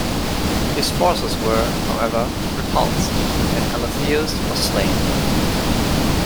His forces were, however, repulsed, and Alatheus was slain.